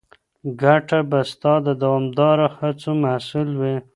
ګټه به ستا د دوامداره هڅو محصول وي.